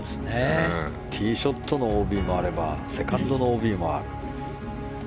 ティーショットのＯＢもあればセカンドのＯＢもある。